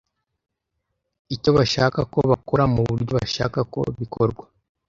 icyo bashaka ko bakora nuburyo bashaka ko bikorwa